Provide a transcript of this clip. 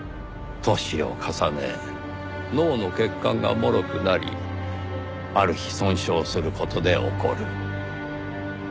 年を重ね脳の血管がもろくなりある日損傷する事で起こる。